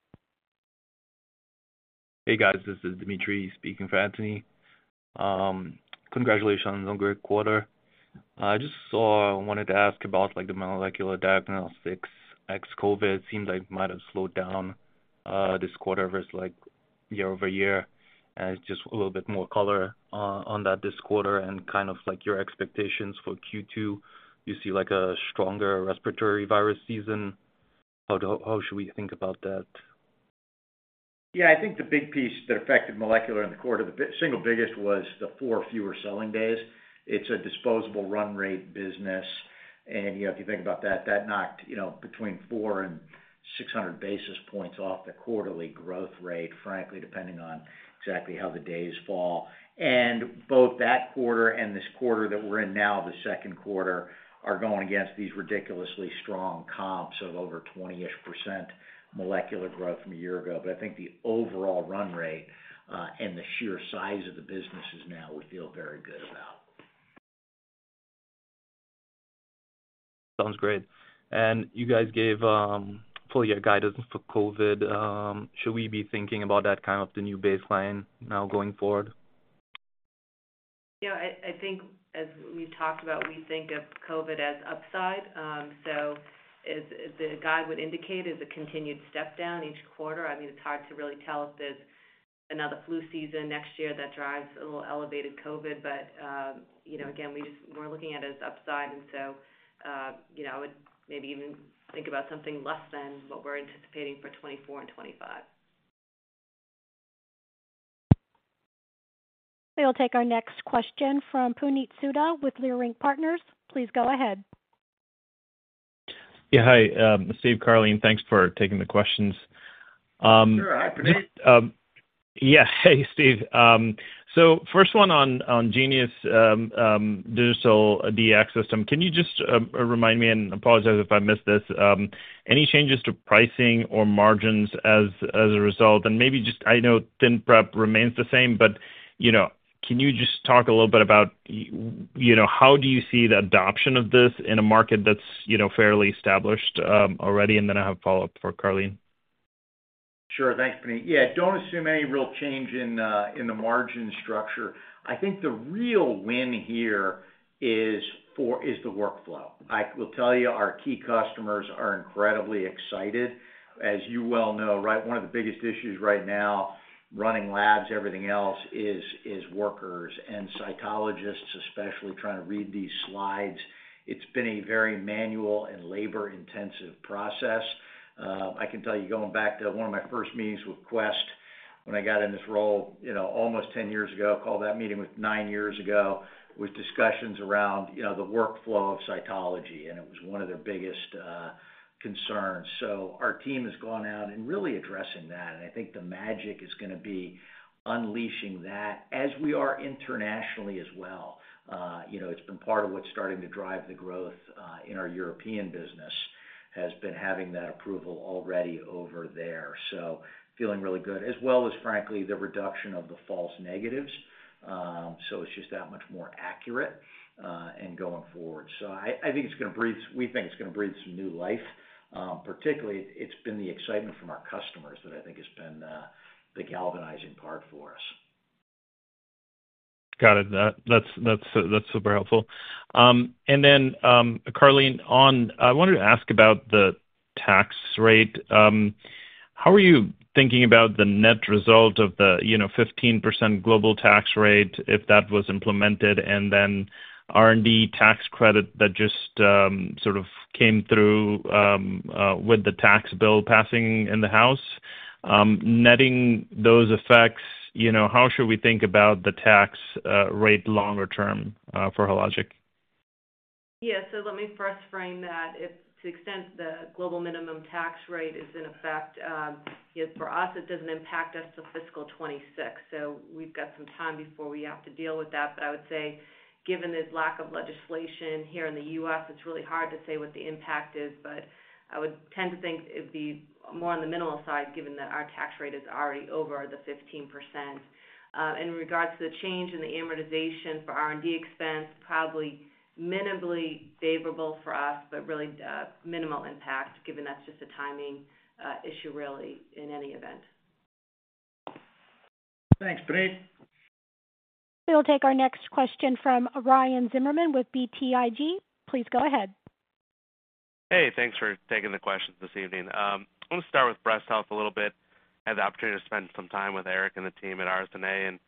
S11: Hey, guys, this is Dimitri speaking for Anthony. Congratulations on a great quarter. I just saw. I wanted to ask about, like, the molecular diagnostics ex-COVID. It seems like it might have slowed down this quarter versus, like, year-over-year. And just a little bit more color on that this quarter and kind of like your expectations for Q2. You see, like, a stronger respiratory virus season. How should we think about that?
S2: Yeah, I think the big piece that affected molecular in the quarter, the single biggest was the four fewer selling days. It's a disposable run rate business, and, you know, if you think about that, that knocked, you know, between 400-600 basis points off the quarterly growth rate, frankly, depending on exactly how the days fall. And both that quarter and this quarter that we're in now, the second quarter, are going against these ridiculously strong comps of over 20-ish% molecular growth from a year ago. But I think the overall run rate and the sheer size of the businesses now, we feel very good about.
S11: Sounds great. You guys gave full year guidance for COVID. Should we be thinking about that kind of the new baseline now going forward?
S4: You know, I think as we've talked about, we think of COVID as upside. So as the guide would indicate, as a continued step down each quarter, I mean, it's hard to really tell if there's another flu season next year that drives a little elevated COVID. But, you know, again, we just, we're looking at it as upside, and so, you know, I would maybe even think about something less than what we're anticipating for 2024 and 2025.
S1: We will take our next question from Puneet Souda with Leerink Partners. Please go ahead.
S9: Yeah, hi, Steve, Karleen. Thanks for taking the questions.
S2: Sure, hi, Puneet.
S9: Yeah, hey, Steve. So first one on Genius digital DX system. Can you just remind me, and apologize if I missed this, any changes to pricing or margins as a result? And maybe just, I know ThinPrep remains the same, but, you know, can you just talk a little bit about, you know, how do you see the adoption of this in a market that's, you know, fairly established already? And then I have a follow-up for Karleen.
S2: Sure. Thanks, Puneet. Yeah, don't assume any real change in, in the margin structure. I think the real win here is for-- is the workflow. I will tell you, our key customers are incredibly excited. As you well know, right, one of the biggest issues right now, running labs, everything else, is workers and cytologists, especially trying to read these slides. It's been a very manual and labor-intensive process. I can tell you, going back to one of my first meetings with Quest, when I got in this role, you know, almost 10 years ago, called that meeting with nine years ago, with discussions around, you know, the workflow of cytology, and it was one of their biggest concerns. So our team has gone out and really addressing that, and I think the magic is gonna be unleashing that as we are internationally as well. You know, it's been part of what's starting to drive the growth in our European business has been having that approval already over there. So feeling really good, as well as frankly, the reduction of the false negatives. So it's just that much more accurate, and going forward. So I think it's gonna breathe—we think it's gonna breathe some new life. Particularly, it's been the excitement from our customers that I think has been the galvanizing part for us.
S12: Got it. That's super helpful. And then, Karleen, on—I wanted to ask about the tax rate. How are you thinking about the net result of the, you know, 15% global tax rate, if that was implemented, and then R&D tax credit that just sort of came through with the tax bill passing in the House? Netting those effects, you know, how should we think about the tax rate longer term for Hologic?
S4: Yeah. So let me first frame that. If, to the extent, the global minimum tax rate is in effect, you know, for us, it doesn't impact us till fiscal 2026. So we've got some time before we have to deal with that. But I would say, given this lack of legislation here in the U.S., it's really hard to say what the impact is, but I would tend to think it'd be more on the minimal side, given that our tax rate is already over the 15%. In regards to the change in the amortization for R&D expense, probably minimally favorable for us, but really, minimal impact, given that's just a timing issue, really, in any event.
S6: Thanks, great.
S1: We'll take our next question from Ryan Zimmerman with BTIG. Please go ahead.
S13: Hey, thanks for taking the questions this evening. I want to start with breast health a little bit. I had the opportunity to spend some time with Erik and the team at RSNA, and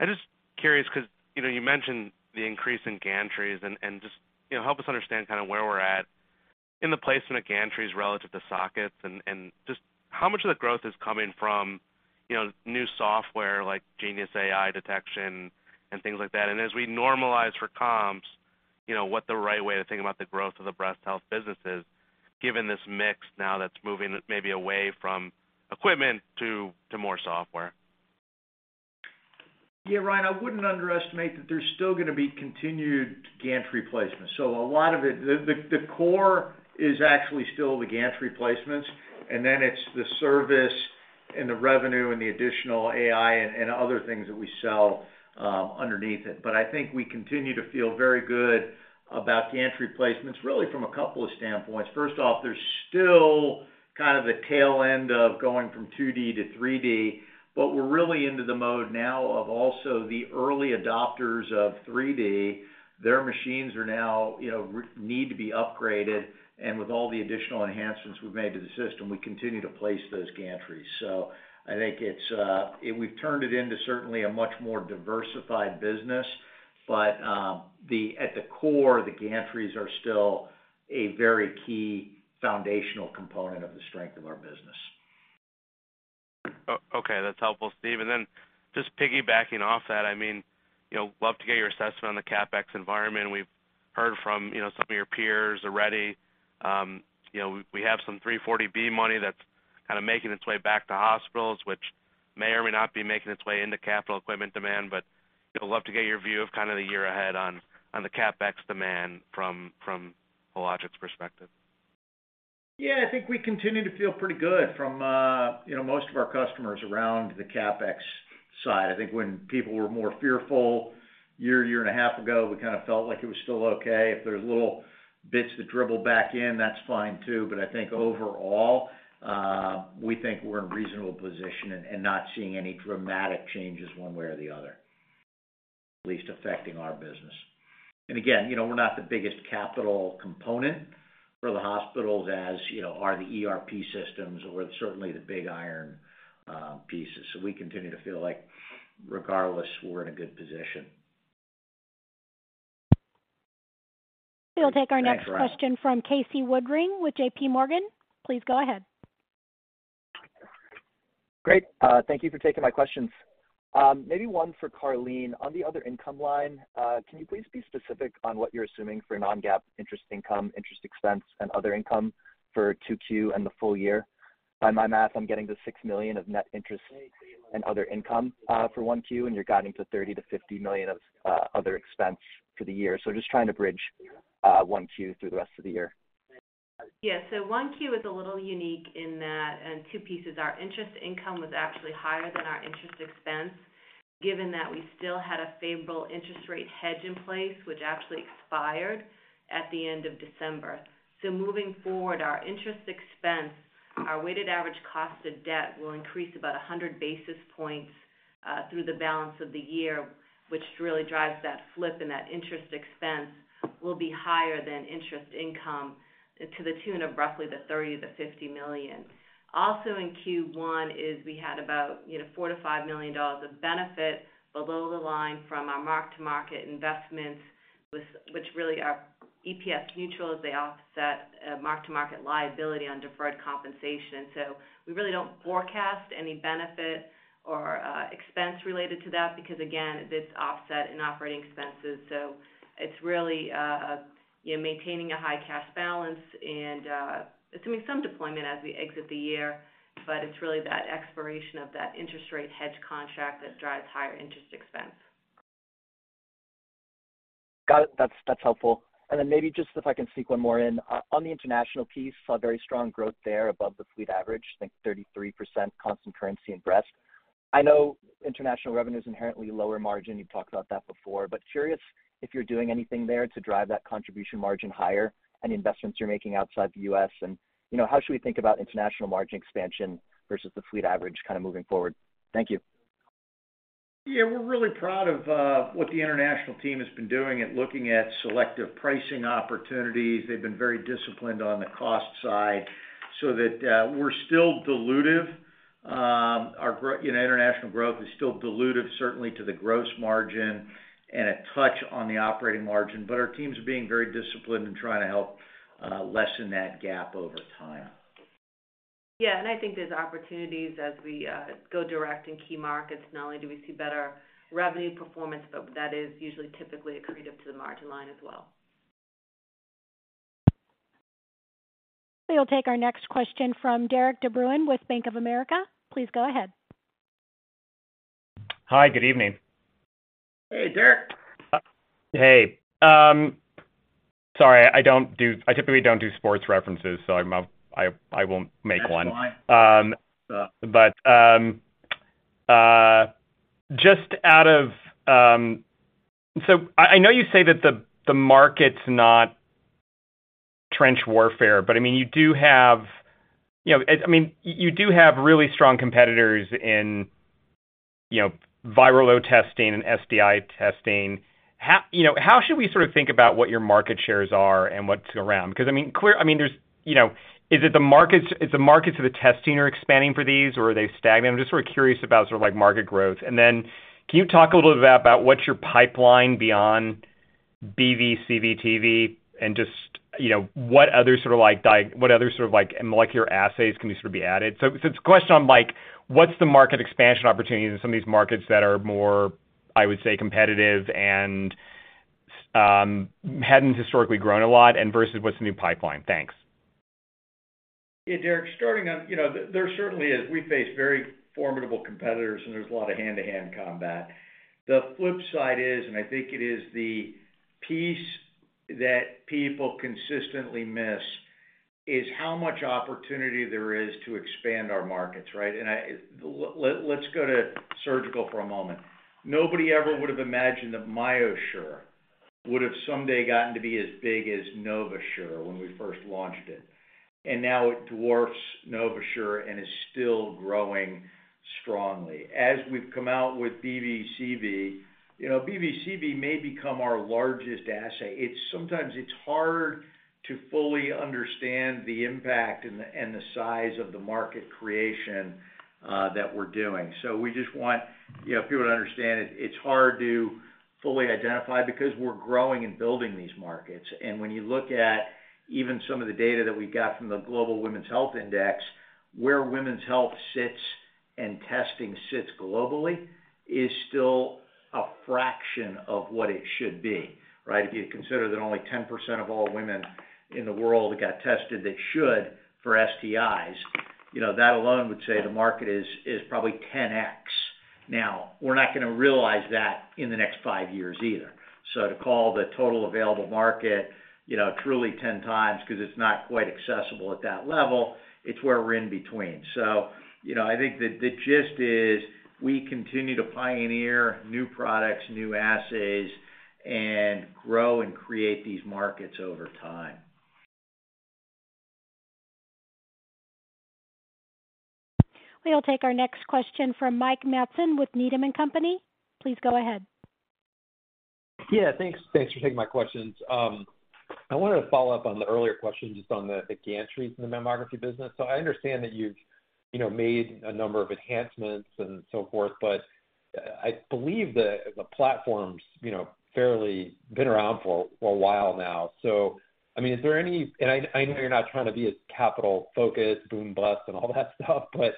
S13: I'm just curious, because, you know, you mentioned the increase in gantries and just, you know, help us understand kind of where we're at in the placement of gantries relative to sockets, and just how much of the growth is coming from, you know, new software like Genius AI Detection and things like that. As we normalize for comps, you know, what the right way to think about the growth of the breast health business is, given this mix now that's moving maybe away from equipment to more software.
S2: Yeah, Ryan, I wouldn't underestimate that there's still gonna be continued gantry placements. So a lot of it, the core is actually still the gantry replacements, and then it's the service and the revenue and the additional AI and other things that we sell underneath it. But I think we continue to feel very good about gantry placements, really from a couple of standpoints. First off, there's still kind of the tail end of going from 2D to 3D, but we're really into the mode now of also the early adopters of 3D. Their machines are now, you know, they need to be upgraded, and with all the additional enhancements we've made to the system, we continue to place those gantries. So I think it's. We've turned it into certainly a much more diversified business, but at the core, the gantries are still a very key foundational component of the strength of our business.
S13: Okay, that's helpful, Steve. And then just piggybacking off that, I mean, you know, love to get your assessment on the CapEx environment. We've heard from, you know, some of your peers already. You know, we have some 340B money that's kind of making its way back to hospitals, which may or may not be making its way into capital equipment demand, but I'd love to get your view of kind of the year ahead on the CapEx demand from Hologic's perspective.
S2: Yeah, I think we continue to feel pretty good from, you know, most of our customers around the CapEx side. I think when people were more fearful, year, year and a half ago, we kind of felt like it was still okay. If there's little bits that dribble back in, that's fine, too. But I think overall, we think we're in a reasonable position and, and not seeing any dramatic changes one way or the other, at least affecting our business. And again, you know, we're not the biggest capital component for the hospitals, as you know, are the ERP systems or certainly the big iron, pieces. So we continue to feel like regardless, we're in a good position.
S13: Thanks, Ryan.
S1: We'll take our next question from Casey Woodring with JP Morgan. Please go ahead.
S14: Great, thank you for taking my questions. Maybe one for Karleen. On the other income line, can you please be specific on what you're assuming for non-GAAP interest income, interest expense, and other income for 2Q and the full year? By my math, I'm getting the $6 million of net interest and other income for 1Q, and you're guiding to $30 million-$50 million of other expense for the year. So just trying to bridge 1Q through the rest of the year.
S4: Yeah. So Q1 is a little unique in that, and two pieces, our interest income was actually higher than our interest expense, given that we still had a favorable interest rate hedge in place, which actually expired at the end of December. So moving forward, our interest expense, our weighted average cost of debt, will increase about 100 basis points through the balance of the year, which really drives that flip, and that interest expense will be higher than interest income to the tune of roughly $30-50 million. Also in Q1 we had about, you know, $4-5 million of benefit below the line from our mark-to-market investments, which really are EPS neutral as they offset mark-to-market liability on deferred compensation. So we really don't forecast any benefit or expense related to that because, again, it's offset in operating expenses. So it's really, you know, maintaining a high cash balance and assuming some deployment as we exit the year, but it's really that expiration of that interest rate hedge contract that drives higher interest expense.
S15: Got it. That's, that's helpful. And then maybe just if I can sneak one more in. On, on the international piece, saw very strong growth there above the fleet average, I think 33% constant currency in breast. I know international revenue is inherently lower margin. You've talked about that before, but curious if you're doing anything there to drive that contribution margin higher and the investments you're making outside the U.S. And, you know, how should we think about international margin expansion versus the fleet average kind of moving forward? Thank you.
S2: Yeah, we're really proud of what the international team has been doing at looking at selective pricing opportunities. They've been very disciplined on the cost side, so that we're still dilutive. Our growth, you know, international growth is still dilutive, certainly to the gross margin and a touch on the operating margin, but our teams are being very disciplined in trying to help lessen that gap over time.
S4: Yeah, and I think there's opportunities as we go direct in key markets. Not only do we see better revenue performance, but that is usually typically accretive to the margin line as well.
S1: We'll take our next question from Derik de Bruin with Bank of America. Please go ahead.
S16: Hi, good evening.
S2: Hey, Derek.
S16: Hey. Sorry, I typically don't do sports references, so I won't make one.
S2: That's fine.
S16: But just out of, so I know you say that the market's not trench warfare, but I mean, you do have, you know, you do have really strong competitors in, you know, viral load testing and STI testing. How, you know, should we sort of think about what your market shares are and what's around? Because, I mean, there's, you know, is it the markets, is the markets of the testing are expanding for these, or are they stagnant? I'm just sort of curious about sort of like market growth. And then can you talk a little bit about what's your pipeline beyond BV, CV, TV, and just, you know, what other sort of like molecular assays can sort of be added? So, it's a question on like, what's the market expansion opportunities in some of these markets that are more, I would say, competitive and hadn't historically grown a lot and versus what's the new pipeline? Thanks.
S2: Yeah, Derek, starting on, you know, there certainly is. We face very formidable competitors, and there's a lot of hand-to-hand combat. The flip side is, and I think it is the piece that people consistently miss, is how much opportunity there is to expand our markets, right? And let's go to surgical for a moment. Nobody ever would have imagined that MyoSure would have someday gotten to be as big as NovaSure when we first launched it. And now it dwarfs NovaSure and is still growing strongly. As we've come out with BV CV, you know, BV CV may become our largest assay. It's sometimes hard to fully understand the impact and the size of the market creation that we're doing. So we just want, you know, people to understand it. It's hard to fully identify because we're growing and building these markets. And when you look at even some of the data that we got from the Global Women's Health Index, where women's health sits and testing sits globally, is still a fraction of what it should be, right? If you consider that only 10% of all women in the world got tested, they should for STIs, you know, that alone would say the market is probably 10x. Now, we're not gonna realize that in the next five years either. So to call the total available market, you know, truly 10 times because it's not quite accessible at that level, it's where we're in between. So, you know, I think the gist is, we continue to pioneer new products, new assays, and grow and create these markets over time.
S1: We will take our next question from Mike Matson with Needham and Company. Please go ahead.
S15: Yeah, thanks. Thanks for taking my questions. I wanted to follow up on the earlier question just on the, the gantry in the mammography business. So I understand that you've, you know, made a number of enhancements and so forth, but I, I believe the, the platform's, you know, fairly been around for a while now. So, I mean, is there any and I, I know you're not trying to be as capital-focused, boom, bust and all that stuff, but,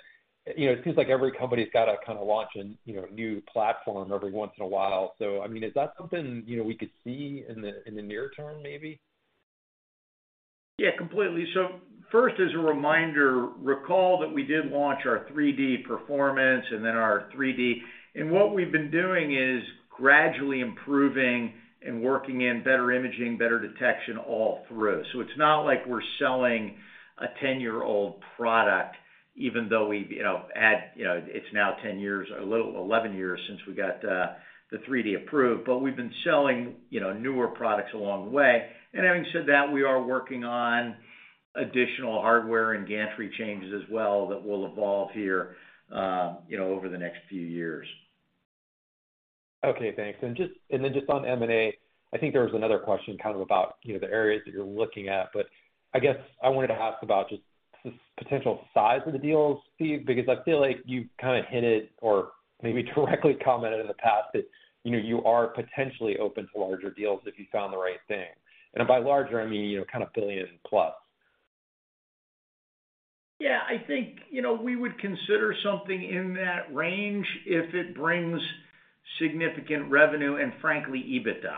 S15: you know, it seems like every company's got to kind of launch a, you know, new platform every once in a while. So, I mean, is that something, you know, we could see in the, in the near term, maybe?
S2: Yeah, completely. So first, as a reminder, recall that we did launch our 3D Performance and then our 3D. And what we've been doing is gradually improving and working in better imaging, better detection all through. So it's not like we're selling a 10-year-old product, even though we've, you know, you know, it's now 10 years, a little 11 years since we got the 3D approved, but we've been selling, you know, newer products along the way. And having said that, we are working on additional hardware and gantry changes as well that will evolve here, you know, over the next few years.
S16: Okay, thanks. And then just on M&A, I think there was another question kind of about, you know, the areas that you're looking at, but I guess I wanted to ask about just the potential size of the deals, Steve, because I feel like you've kind of hinted or maybe directly commented in the past that, you know, you are potentially open to larger deals if you found the right thing. And by larger, I mean, you know, kind of $1 billion plus.
S2: Yeah, I think, you know, we would consider something in that range if it brings significant revenue and frankly, EBITDA.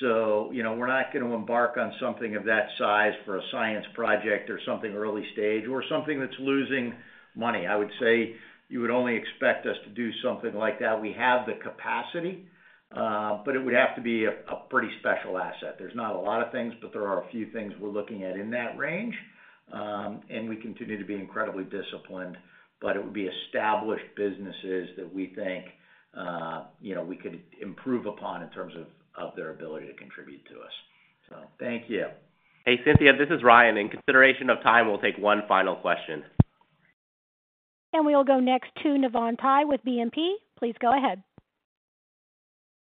S2: So, you know, we're not going to embark on something of that size for a science project or something early stage, or something that's losing money. I would say you would only expect us to do something like that. We have the capacity, but it would have to be a pretty special asset. There's not a lot of things, but there are a few things we're looking at in that range. And we continue to be incredibly disciplined, but it would be established businesses that we think, you know, we could improve upon in terms of their ability to contribute to us. So thank you.
S1: Hey, Cynthia, this is Ryan. In consideration of time, we'll take one final question. We will go next to Navann Ty with BNP. Please go ahead.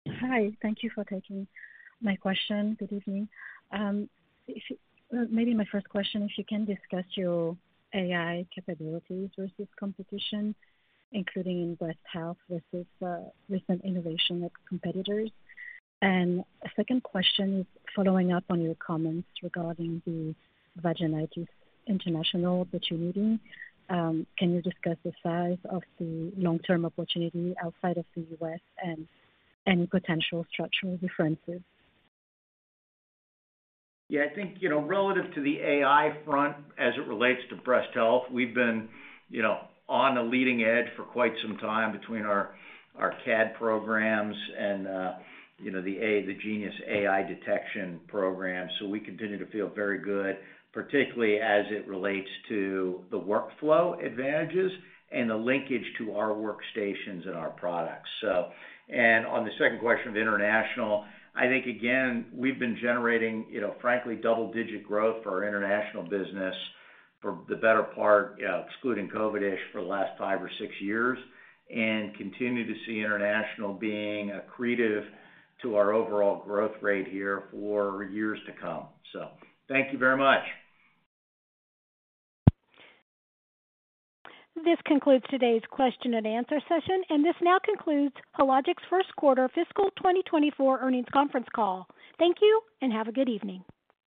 S17: Hi, thank you for taking my question. Good evening. Maybe my first question, if you can discuss your AI capabilities versus competition, including in breast health versus recent innovation with competitors. And a second question is following up on your comments regarding the vaginitis international opportunity. Can you discuss the size of the long-term opportunity outside of the U.S. and any potential structural differences?
S2: Yeah, I think, you know, relative to the AI front as it relates to breast health, we've been, you know, on the leading edge for quite some time between our, our CAD programs and, you know, the A, the Genius AI Detection program. So we continue to feel very good, particularly as it relates to the workflow advantages and the linkage to our workstations and our products. So - and on the second question of international, I think, again, we've been generating, you know, frankly, double-digit growth for our international business for the better part, excluding COVID-ish, for the last five or six years, and continue to see international being accretive to our overall growth rate here for years to come. So thank you very much.
S1: This concludes today's question and answer session, and this now concludes Hologic's first quarter fiscal 2024 earnings conference call. Thank you, and have a good evening.